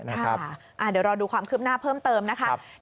เดี๋ยวรอดูความคืบหน้าเพิ่มเติมนะคะ